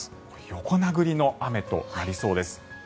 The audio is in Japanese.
横殴りの雨となりそうです。